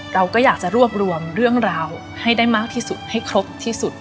เราก็อยากจะรวบรวมเรื่องราวให้ได้มากที่สุดให้ครบที่สุด